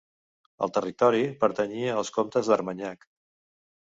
El territori pertanyia als comtes d'Armanyac.